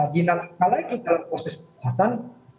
ginak lagi dalam proses perbuatan